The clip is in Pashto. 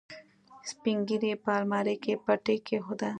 سپينږيري په المارۍ کې پټۍ کېښوده.